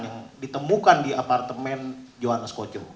yang ditemukan di apartemen johannes koco